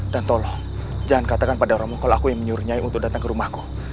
dan tolong jangan katakan pada romo kalau aku yang menyuruh nyai untuk datang ke rumahku